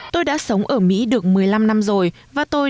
tôi đã sống ở mỹ được một mươi năm năm rồi